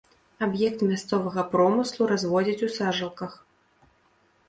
Аб'ект мясцовага промыслу, разводзяць у сажалках.